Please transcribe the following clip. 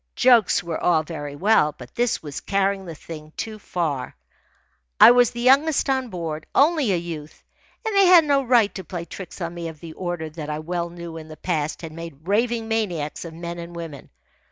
Jokes were all very well, but this was carrying the thing too far. I was the youngest on board, only a youth, and they had no right to play tricks on me of the order that I well knew in the past had made raving maniacs of men and women.